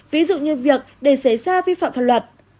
ví dụ như việc để xảy ra vi phạm pháp luật